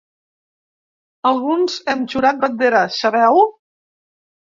Alguns hem jurat bandera, sabeu?